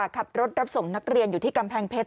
ขับรถรับส่งนักเรียนอยู่ที่กำแพงเพชร